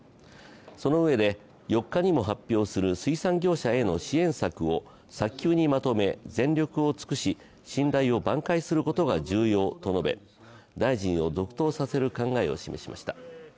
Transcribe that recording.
そのうえで、４日にも発表する水産業者への支援策を早急にまとめ全力を尽くし信頼を挽回することが重要と述べ大臣を続投させる考えを示しました。